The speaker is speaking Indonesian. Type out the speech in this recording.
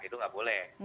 itu nggak boleh